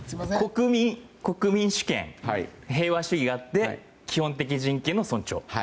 国民主権平和主義があって基本的人権の尊重。